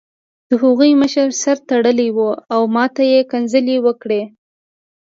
د هغوی مشر سر تړلی و او ماته یې کنځلې وکړې